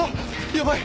やばい！